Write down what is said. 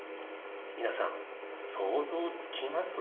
みなさんそうぞうつきます？